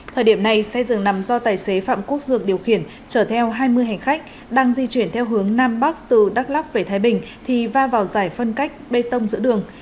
thời điểm này xe dường nằm do tài xế phạm quốc dược điều khiển chở theo hai mươi hành khách đang di chuyển theo hướng nam bắc từ đắk lắc về thái bình thì va vào giải phân cách bê tông giữa đường